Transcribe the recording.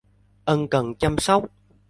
Ân cần chăm sóc